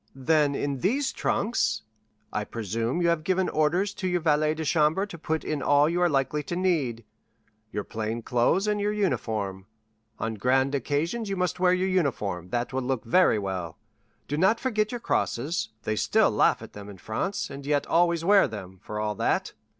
"Then, in these trunks——" "I presume you have given orders to your valet de chambre to put in all you are likely to need,—your plain clothes and your uniform. On grand occasions you must wear your uniform; that will look very well. Do not forget your crosses. They still laugh at them in France, and yet always wear them, for all that."